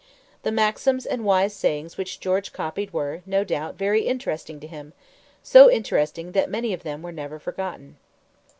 The maxims and wise sayings which George copied were, no doubt, very interesting to him so interesting that many of them were never forgotten.